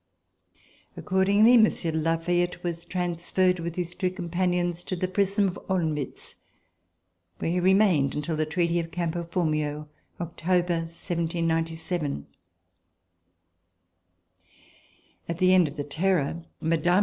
Accordingly, Monsieur de La Fayette was transferred with his two com panions to the prison of Olmutz, where he remained until the Treaty of Campo Formio (October, 1797). At the end of the Terror, Mme.